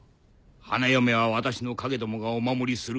花嫁は私のカゲどもがお守りする。